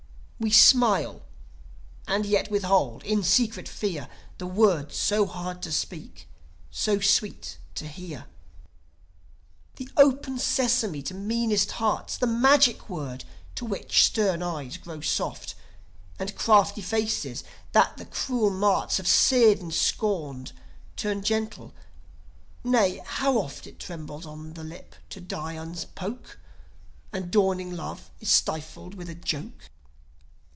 We smile; and yet withhold, in secret fear, The word so hard to speak, so sweet to hear The Open Sesame to meanest hearts, The magic word, to which stern eyes grow soft, And crafty faces, that the cruel marts Have seared and scored, turn gentle Nay, how oft It trembles on the lip to die unppoke, And dawning love is stifled with a joke.